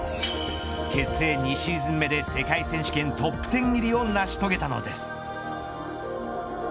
結成２シーズン目で世界選手権トップ１０入りを成し遂げたのです。